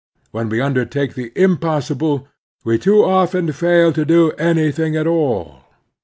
When we undertake the impossible, we too often fail to do anything at all.